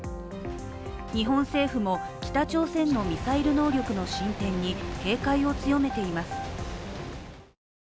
日本政府も北朝鮮のミサイル能力の進展に警戒を強めています。